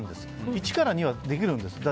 １から２はできるんです。